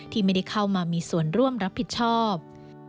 ที่ไม่ได้เข้ามามีส่วนร่วมรับผิดชอบ